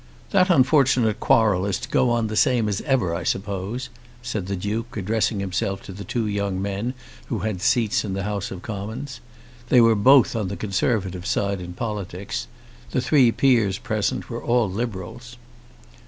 "That unfortunate quarrel is to go on the same as ever, I suppose," said the Duke, addressing himself to the two young men who had seats in the House of Commons. They were both on the Conservative side in politics. The three peers present were all Liberals.